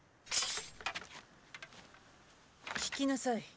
聞きなさい